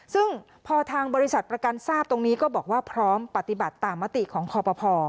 ซึ่งพอทางบริษัทประกันทราบตรงนี้ก็บอกว่าพร้อมปฏิบัติตามมติของคอปภ